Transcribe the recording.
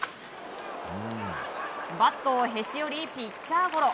バットをへし折りピッチャーゴロ。